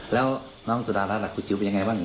แล้วน้องสุดาลรัฐหลักคู่จิ๋วเป็นอย่างไรบ้าง